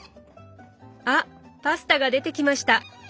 あパスタが出てきました！